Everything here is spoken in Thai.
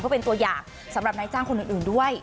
เพื่อเป็นตัวอย่างสำหรับนายจ้างคนอื่นด้วย